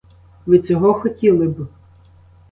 Ви цього хотіли б?